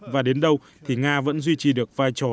và đến đâu thì nga vẫn duy trì được vai trò